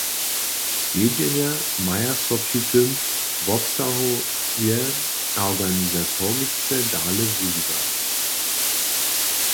Swjedźenje maja so při tym wobsahowje a organizatorisce dale wuwiwać.